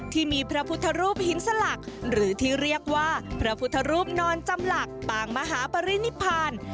ที่มีพระพุทธรูปหินสลักหรือที่เรียกว่าพระพุทธรูปนอนจำหลักปางมหาปรินิพาน